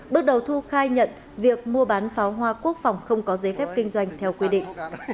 bước đầu thu khai nhận việc mua bán pháo hoa quốc phòng không có giấy phép kinh doanh theo quy định